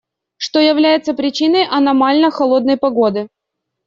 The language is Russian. Что является причиной аномально холодной погоды?